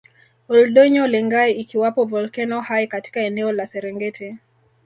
Ol Doinyo Lengai ikiwapo volkeno hai katika eneo la Serengeti